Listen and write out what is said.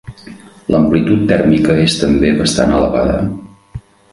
L'amplitud tèrmica és també bastant elevada.